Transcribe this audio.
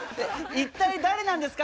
一体誰なんですか？